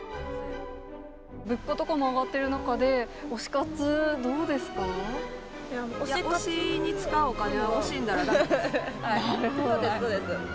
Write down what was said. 物価とかも上がってる中で、推しに使うお金は惜しんだらそうです、そうです。